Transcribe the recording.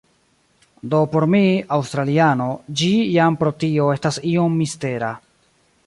Do por mi, aŭstraliano, ĝi jam pro tio estas iom mistera.